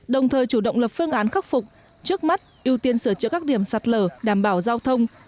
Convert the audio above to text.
đồng thời chủ động lập phương án khắc phục trước mắt ưu tiên sửa chữa các điểm sạt lở đảm bảo giao thông